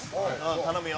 頼むよ。